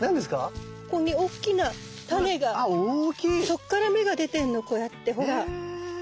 そっから芽が出てんのこうやってほら。